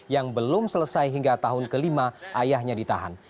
yang belum selesai hingga tahun kelima ayahnya ditahan